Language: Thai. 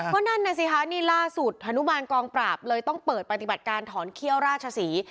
ก็นั่นน่ะสิคะนี่ล่าสุดธนุมานกองปราบเลยต้องเปิดปฏิบัติการถอนเขี้ยวราชศรี